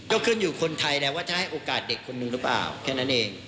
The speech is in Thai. ก็ขึ้นอยู่คนไทยแล้วว่าจะให้โอกาสเด็กคนนึงหรือเปล่าแค่นั้นเอง